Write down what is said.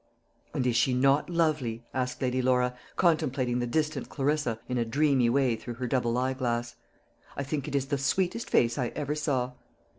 "And is she not lovely?" asked Lady Laura, contemplating the distant Clarissa in a dreamy way through her double eye glass. "I think it is the sweetest face I ever saw."